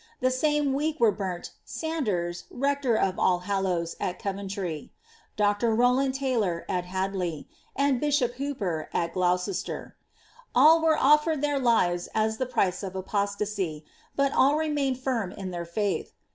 The same week were burnt, Sanders, rector of Allhallows, at Cuvintry ; Dr. Rowland Taylor,' at Iludleigh ; anil bishop llonper, at Gloucestei. All were oliered tlieir lives as the price ot apoiiasy ; but all remained firm in llieir faith.